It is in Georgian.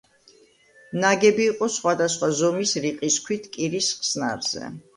ნაგები იყო სხვადასხვა ზომის, რიყის ქვით კირის ხსნარზე.